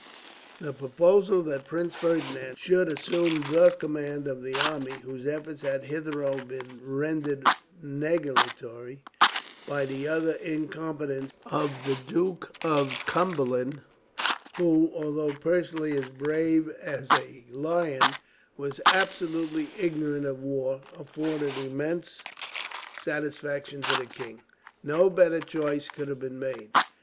The proposal that Prince Ferdinand should assume the command of the army whose efforts had hitherto been rendered nugatory by the utter incompetence of the Duke of Cumberland who, although personally as brave as a lion, was absolutely ignorant of war afforded immense satisfaction to the king. No better choice could have been made.